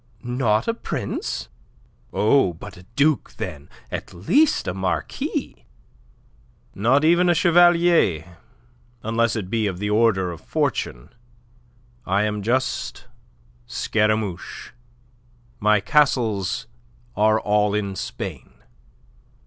"Not a prince? Oh, but a duke, then at least a marquis." "Not even a chevalier, unless it be of the order of fortune. I am just Scaramouche. My castles are all in Spain."